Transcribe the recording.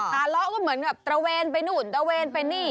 ทะเลาะก็เหมือนกับตระเวนไปนู่นตระเวนไปนี่